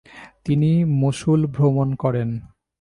তিনি মসুল ভ্রমণ করেন।